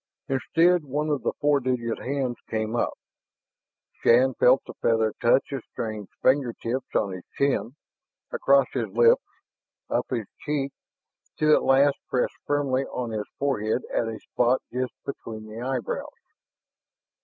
Instead, one of the four digit hands came up. Shann felt the feather touch of strange finger tips on his chin, across his lips, up his cheek, to at last press firmly on his forehead at a spot just between the eyebrows.